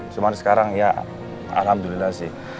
cuma sekarang ya alhamdulillah sih